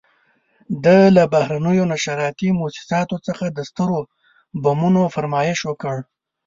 ده له بهرنیو نشراتي موسساتو څخه د سترو بمونو فرمایش وکړ.